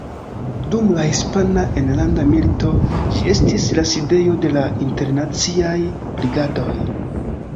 Dum la Hispana Enlanda Milito ĝi estis la sidejo de la Internaciaj Brigadoj.